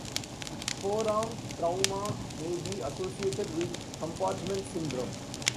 Forearm trauma may be associated with compartment syndrome.